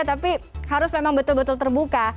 tapi harus memang betul betul terbuka